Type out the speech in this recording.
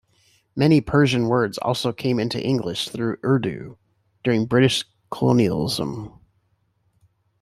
Many Persian words also came into English through Urdu during British colonialism.